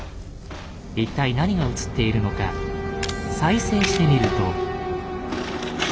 一体何が映っているのか再生してみると。